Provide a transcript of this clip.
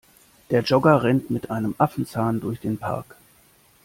Der Jogger rennt mit einem Affenzahn durch den Park.